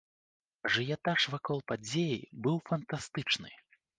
Ажыятаж вакол падзеі быў фантастычны.